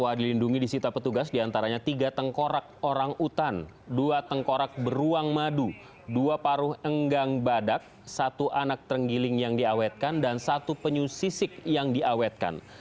dua dilindungi disita petugas diantaranya tiga tengkorak orang utan dua tengkorak beruang madu dua paruh enggang badak satu anak terenggiling yang diawetkan dan satu penyu sisik yang diawetkan